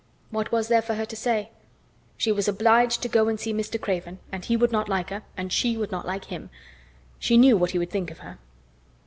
What was there for her to say? She was obliged to go and see Mr. Craven and he would not like her, and she would not like him. She knew what he would think of her.